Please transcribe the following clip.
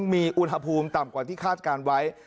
มีอุณหภูมิต่ำกว่าที่คาดการณ์ไว้